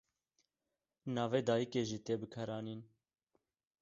Navê dayikê jî tê bikaranîn.